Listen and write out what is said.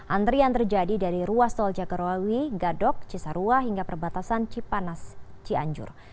antrian terjadi dari ruas tol jagorawi gadok cisarua hingga perbatasan cipanas cianjur